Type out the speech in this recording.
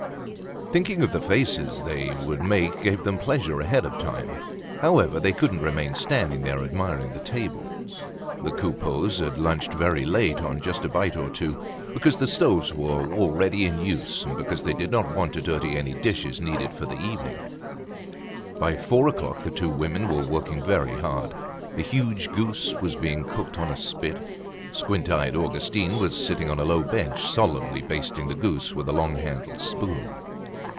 Thinking of the faces they would make gave them pleasure ahead of time. However, they couldn't remain standing there admiring the table. The Coupeaus had lunched very late on just a bite or two, because the stoves were already in use, and because they did not want to dirty any dishes needed for the evening. By four o'clock the two women were working very hard. The huge goose was being cooked on a spit. Squint eyed Augustine was sitting on a low bench solemnly basting the goose with a long handled spoon.